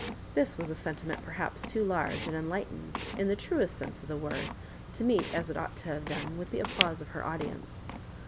This was a sentiment perhaps too large and enlightened, in the truest sense of the word, to meet, as it ought to have done, with the applause of her audience.